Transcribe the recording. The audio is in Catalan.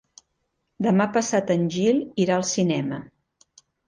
Demà passat en Gil irà al cinema.